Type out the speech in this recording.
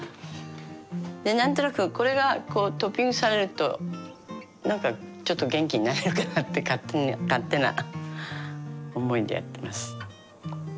何となくこれがこうトッピングされるとなんかちょっと元気になれるかなって勝手な思いでやってます。